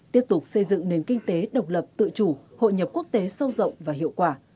tiếp tục xây dựng nền kinh tế độc lập tự chủ hội nhập quốc tế sâu rộng và hiệu quả